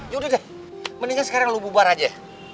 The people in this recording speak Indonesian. ya udah deh mendingan sekarang lu bubar aja